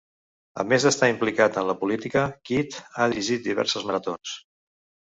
A més d'estar implicat en la política, Kitt ha dirigit diverses maratons.